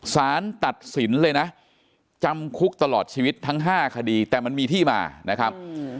สารตัดสินเลยนะจำคุกตลอดชีวิตทั้ง๕คดีแต่มันมีที่มานะครับ